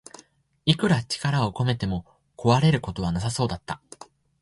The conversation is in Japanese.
いくら力を込めても壊れることはなさそうだった